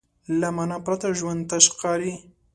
له معنی پرته ژوند تش ښکاري.